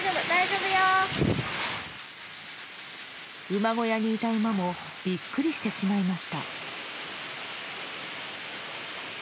馬小屋にいた馬もビックリしてしまいました。